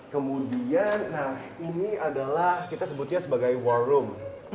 kemudian nah ini adalah kita sebutnya sebagai war room